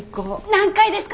何階ですか？